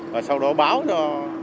và sau đó báo cho